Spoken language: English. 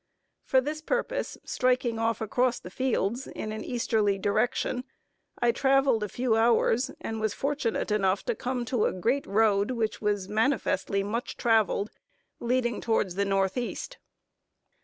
For this purpose, striking off across the fields, in an easterly direction, I traveled a few hours, and was fortunate enough to come to a great road, which was manifestly much traveled, leading towards the northeast.